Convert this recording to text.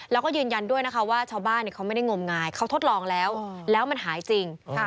แล้วก็ยืนยันด้วยนะคะว่าชาวบ้านเขาไม่ได้งมงายเขาทดลองแล้วแล้วมันหายจริง